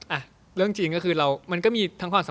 อ่ะเรื่องจริงก็คือมันก็มีทั้งความสำหรับที่เรา